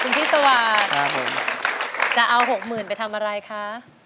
คุณพี่สวัสดิ์จะเอา๖๐๐๐๐บาทไปทำอะไรคะ